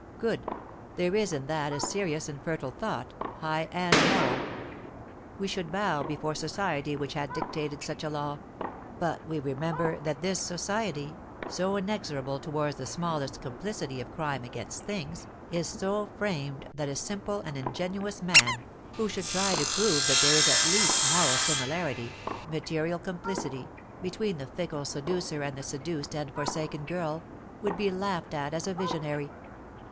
Good; there is in that a serious and fertile thought, high and moral. We should bow before Society which had dictated such a law; but we remember that this Society, so inexorable towards the smallest complicity of crime against things, is so framed that a simple and ingenuous man, who should try to prove that there is at least moral similarity, material complicity, between the fickle seducer and the seduced and forsaken girl, would be laughed at as a visionary.